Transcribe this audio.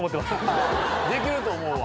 できると思うわ。